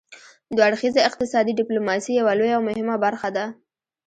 دوه اړخیزه اقتصادي ډیپلوماسي یوه لویه او مهمه برخه ده